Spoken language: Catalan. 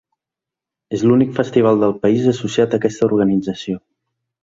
És l’únic festival del país associat a aquesta organització.